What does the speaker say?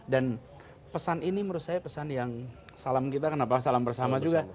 dan pesan ini menurut saya pesan yang salam kita kenapa salam bersama juga